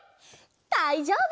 だいじょうぶ！